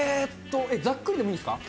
ざっくりでもいいですか。